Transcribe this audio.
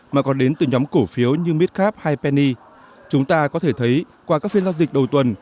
mà còn đến từ nhóm cổ phiếu như midcap hay penny chúng ta có thể thấy qua các phiên giao dịch đầu tuần